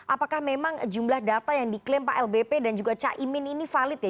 apakah memang jumlah data yang diklaim pak lbp dan juga caimin ini valid ya